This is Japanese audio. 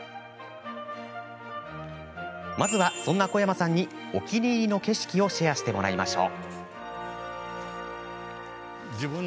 まずは、そんな小山さんにお気に入りの景色をシェアしてもらいましょう。